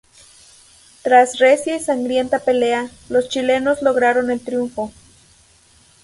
Tras recia y sangrienta pelea, los chilenos lograron el triunfo.